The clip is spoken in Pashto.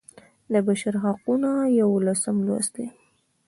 د بشر حقونه یوولسم لوست دی.